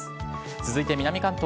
続いて南関東。